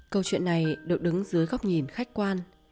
câu chuyện này được đứng dưới góc nhìn khách quan